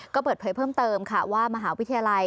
ก็เปิดเผยเพิ่มเติมค่ะว่ามหาวิทยาลัย